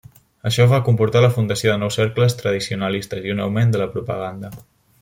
Això va comportar la fundació de nous cercles tradicionalistes i un augment de la propaganda.